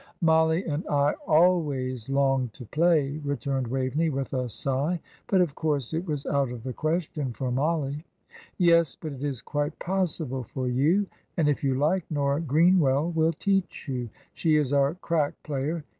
"Mollie and I always longed to play," returned Waveney, with a sigh. "But, of course, it was out of the question for Mollie." "Yes, but it is quite possible for you, and if you like, Nora Greenwell will teach you; she is our crack player.